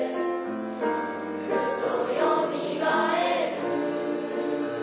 ふとよみがえる